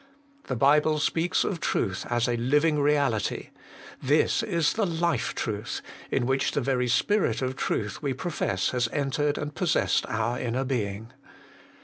The Bible speaks of truth as a living reality : this is the life truth, in which the very Spirit of the truth we profess has entered and possessed our inner being.